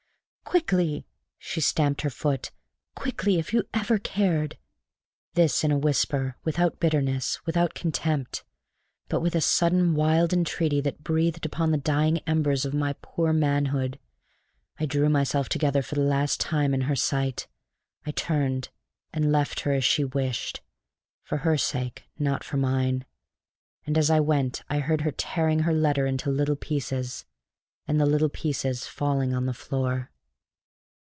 "Quickly!" She stamped her foot. "Quickly if you ever cared!" This in a whisper, without bitterness, without contempt, but with a sudden wild entreaty that breathed upon the dying embers of my poor manhood. I drew myself together for the last time in her sight. I turned, and left her as she wished for her sake, not for mine. And as I went I heard her tearing her letter into little pieces, and the little pieces falling on the floor.